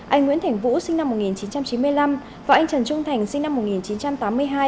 anh nguyễn thành vũ sinh năm một nghìn chín trăm chín mươi năm và anh trần trung thành sinh năm một nghìn chín trăm tám mươi hai